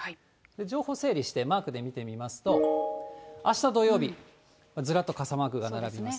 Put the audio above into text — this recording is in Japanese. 情報整理してマークで見てみますと、あした土曜日、ずらっと傘マークが並びます。